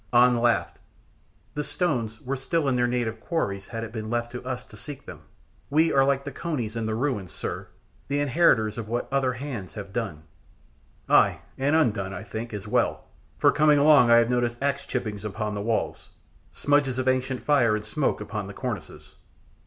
An laughed. "The stones were still in their native quarries had it been left to us to seek them; we are like the conies in the ruins, sir, the inheritors of what other hands have done." "Ay, and undone, I think, as well, for coming along I have noted axe chippings upon the walls, smudges of ancient fire and smoke upon the cornices."